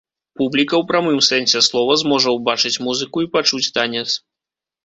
Публіка ў прамым сэнсе слова зможа ўбачыць музыку і пачуць танец.